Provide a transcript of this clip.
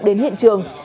đến hiện trường